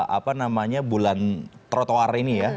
apa namanya bulan trotoar ini ya